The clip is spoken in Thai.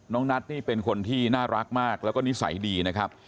นัทนี่เป็นคนที่น่ารักมากแล้วก็นิสัยดีนะครับ